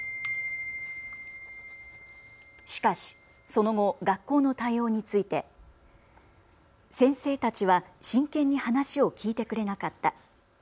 しかしその後学校の対応について、先生たちはしんけんに話を聞いてくれなかった。